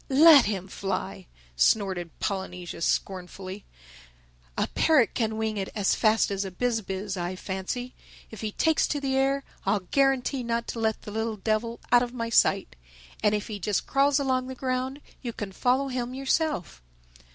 "Let him fly," snorted Polynesia scornfully. "A parrot can wing it as fast as a Biz biz, I fancy. If he takes to the air, I'll guarantee not to let the little devil out of my sight. And if he just crawls along the ground you can follow him yourself."